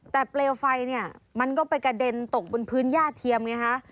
แต่เปลวไฟเนี่ยมันก็ไปกระเด็นตกบนพื้นย่าเทียมไงฮะ